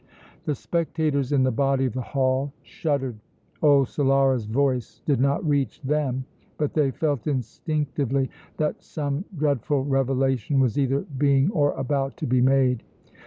The spectators in the body of the hall shuddered. Old Solara's voice did not reach them, but they felt instinctively that some dreadful revelation was either being or about to be made.